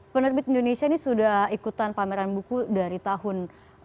penerbit indonesia ini sudah ikutan pameran buku dari tahun